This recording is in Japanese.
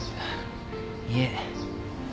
いえ。